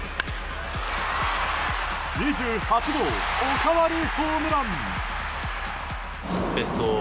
２８号おかわりホームラン！